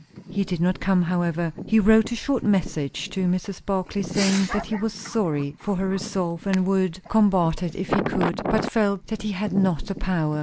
He did not come, however; he wrote a short answer to Mrs. Barclay, saying that he was sorry for her resolve, and would combat it if he could; but felt that he had not the power.